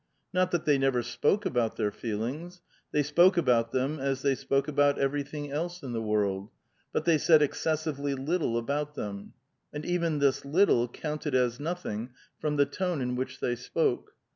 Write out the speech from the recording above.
Not that they never spoke about their feel ings. They spoke about them as they spoke about every thing else in the world ; but they said excessively little about them ; and even this little counted as nothing from the tone in which they spoke.